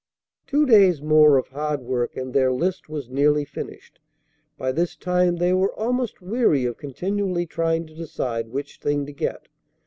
Two days more of hard work, and their list was nearly finished. By this time they were almost weary of continually trying to decide which thing to get.